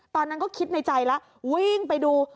ตอนนั้นก็คิดในใจแล้ววิ่งไปดู